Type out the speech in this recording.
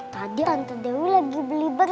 tadi tante dewi lagi beli burger